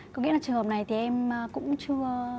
có nghĩa là trường hợp này thì em cũng chưa